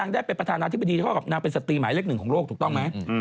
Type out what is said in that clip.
ได้เป็นประธานาธิบดีเท่ากับนางเป็นสตรีหมายเล็กหนึ่งของโลกถูกต้องไหม